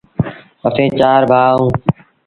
اسيٚݩ چآر ڀآ اَهوݩ،